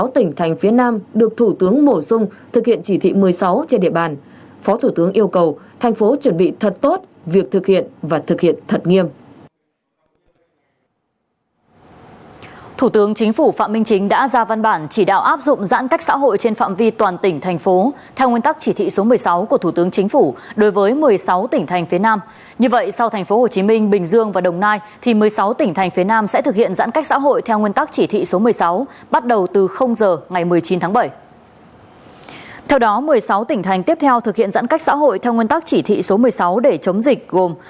theo đó một mươi sáu tỉnh thành tiếp theo thực hiện giãn cách xã hội theo nguyên tắc chỉ thị số một mươi sáu để chống dịch gồm